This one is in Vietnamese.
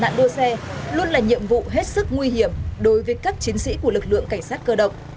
ngăn chặn nạn đô xe luôn là nhiệm vụ hết sức nguy hiểm đối với các chiến sĩ của lực lượng cảnh sát cơ động